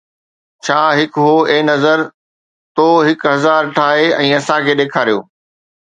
ڇا هڪ هو، اي نظر، تو هڪ هزار ٺاهي ۽ اسان کي ڏيکاريو